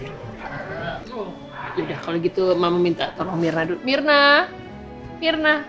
yaudah kalau gitu mama minta tolong mirna dulu